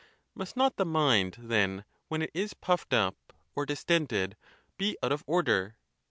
Must not the mind, then, when it is puffed up, or distended, be out of order?